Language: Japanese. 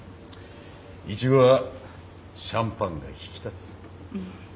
イチゴはシャンパンが引き立つ。